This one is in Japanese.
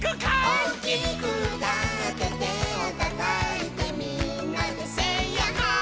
「おおきくうたっててをたたいてみんなでｓａｙヤッホー」